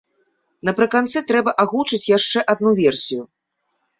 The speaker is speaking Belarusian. Напрыканцы трэба агучыць яшчэ адну версію.